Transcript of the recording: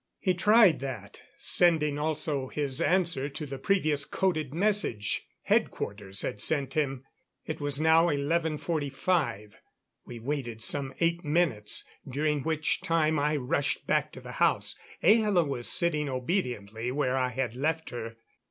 He tried that sending also his answer to the previous coded message Headquarters had sent him. It was now 11:45. We waited some eight minutes, during which time I rushed back to the house. Ahla was sitting obediently where I had left her.